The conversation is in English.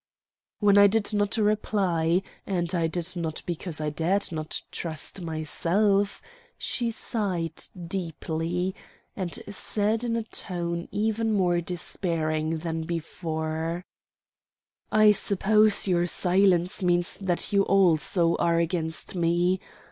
When I did not reply and I did not because I dared not trust myself she sighed deeply, and said in a tone even more despairing than before: "I suppose your silence means that you also are against me.